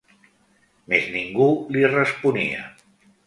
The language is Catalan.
Mes ningú li responia.